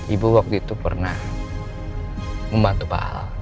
ibu waktu itu pernah membantu pak al